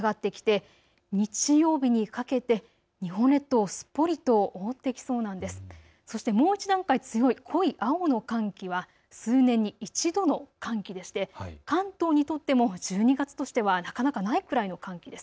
そしてもう一段階強い濃い青の寒気は数年に一度の寒気でして関東にとっても１２月としてはなかなかないくらいの寒気です。